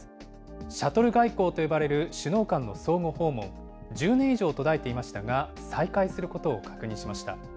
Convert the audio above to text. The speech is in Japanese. シャトル外交と呼ばれる首脳間の相互訪問、１０年以上途絶えていましたが、再開することを確認しました。